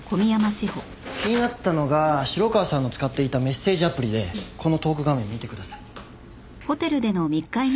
気になったのが城川さんの使っていたメッセージアプリでこのトーク画面見てください。